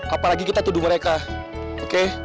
apalagi kita tuduh mereka oke